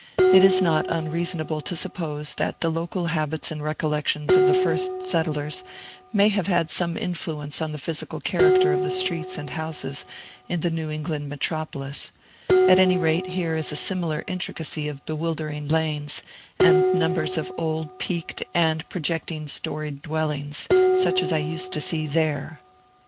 It is not unreasonable to suppose that the local habits and recollections of the first settlers may have had some influence on the physical character of the streets and houses in the New England metropolis; at any rate, here is a similar intricacy of bewildering lanes, and numbers of old peaked and projecting storied dwellings, such as I used to see there.